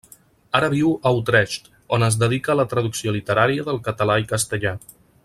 Ara viu a Utrecht, on es dedica a la traducció literària del català i castellà.